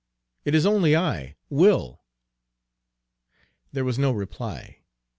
It is only I, Will!" There was no reply.